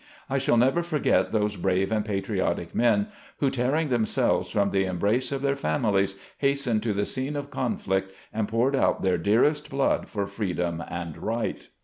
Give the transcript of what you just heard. I shall never forget those brave and patriotic men who, tearing themselves from the embrace of their families, hastened to the scene of conflict and poured out their dearest blood for freedom and right.